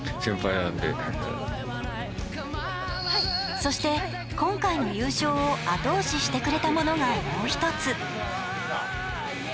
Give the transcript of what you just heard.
そして、今回の優勝を後押ししてくれたものがもう１つ。